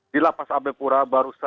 dilapas abe pura barusan